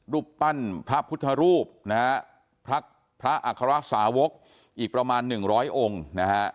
รูปปั้นพระพุทธรูปนะฮะพระอัครสาวกอีกประมาณหนึ่งร้อยองค์นะฮะ